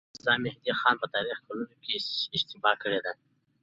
ميرزا مهدي خان په تاريخي کلونو کې اشتباه کړې ده.